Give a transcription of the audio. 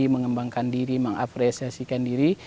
mengembangkan diri mengapresiasikan diri